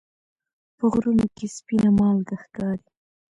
په غرونو کې سپینه مالګه ښکاري.